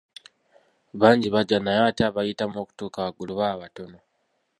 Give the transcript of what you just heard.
Bangi bajja naye ate abayitamu okutuuka waggulu baba batono.